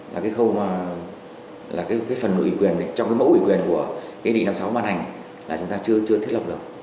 là cái khâu là cái phần nội ủy quyền trong cái mẫu ủy quyền của cái định năm sáu màn hành là chúng ta chưa thiết lập được